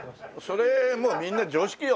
それもうみんな常識よ。